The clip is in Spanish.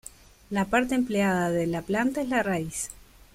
La parte empleada de la planta es la raíz.